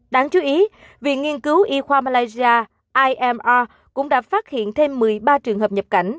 đáng chú ý viện nghiên cứu y khoa malaysia imr cũng đã phát hiện thêm một mươi ba trường hợp nhập cảnh